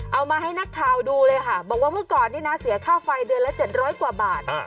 เอามาให้นักข่าวดูเลยค่ะบอกว่าเมื่อก่อนนี่นะเสียค่าไฟเดือนละ๗๐๐กว่าบาท